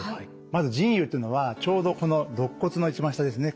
まず腎兪というのはちょうどこのろっ骨の一番下ですね。